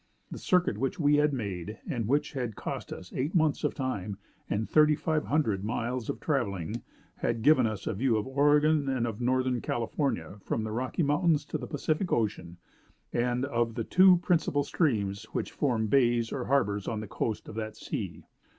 The circuit which we had made, and which had cost us eight months of time, and 3,500 miles of traveling, had given us a view of Oregon and of North California from the Rocky Mountains to the Pacific Ocean, and of the two principal streams which form bays or harbors on the coast of that sea.